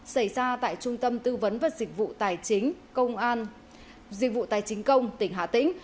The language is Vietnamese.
xảy ra tại trung tâm tư vấn và dịch vụ tài chính công an dịch vụ tài chính công tỉnh hà tĩnh